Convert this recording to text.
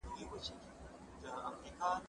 چي مي لاستی له خپل ځانه دی نړېږم